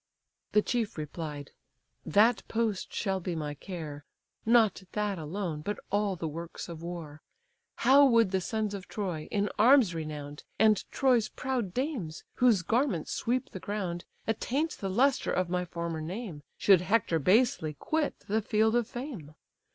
The chief replied: "That post shall be my care, Not that alone, but all the works of war. How would the sons of Troy, in arms renown'd, And Troy's proud dames, whose garments sweep the ground Attaint the lustre of my former name, Should Hector basely quit the field of fame?